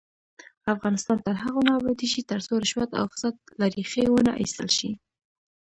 افغانستان تر هغو نه ابادیږي، ترڅو رشوت او فساد له ریښې ونه ایستل شي.